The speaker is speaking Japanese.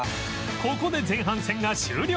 ここで前半戦が終了